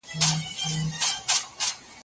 موږ باید د یوې روغې ټولنې لپاره کار وکړو.